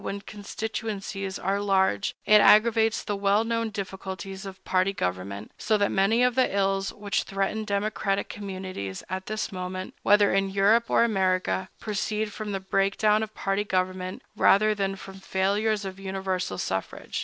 When constituencies are large, it aggravates the well known difficulties of party government; so that many of the ills which threaten democratic communities at this moment, whether in Europe or America, proceed from the break down of party government rather than from failures of universal suffrage.